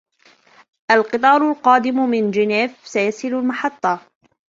القطار القادم من جنيف سيصل المحطة.